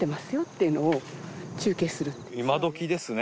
今どきですね。